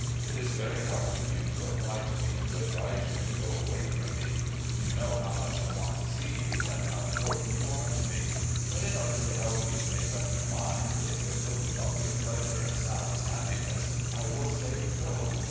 It is very hard for you to apply to me to advise you to go away from me. You know how much I want to see you, and how im portant you are to me. But in order to help you to make up your mind, if it will promote yotir pleasure and Sally's happiness, I will say go.